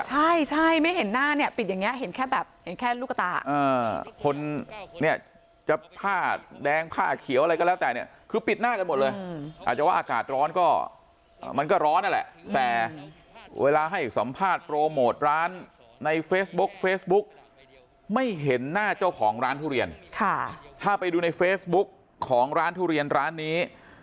ใช่ใช่ไม่เห็นหน้าเนี่ยปิดอย่างเงี้เห็นแค่แบบเห็นแค่ลูกตาคนเนี่ยจะผ้าแดงผ้าเขียวอะไรก็แล้วแต่เนี่ยคือปิดหน้ากันหมดเลยอาจจะว่าอากาศร้อนก็มันก็ร้อนนั่นแหละแต่เวลาให้สัมภาษณ์โปรโมทร้านในเฟซบุ๊กเฟซบุ๊กไม่เห็นหน้าเจ้าของร้านทุเรียนค่ะถ้าไปดูในเฟซบุ๊กของร้านทุเรียนร้านนี้